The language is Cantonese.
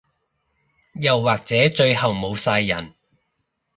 又或者最後冇晒人